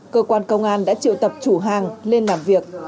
cơ quan công an đã triệu tập chủ hàng lên làm việc